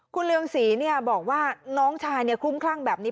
คุณเรืองศรีบอกว่าน้องชายคลุ้มคลั่งแบบนี้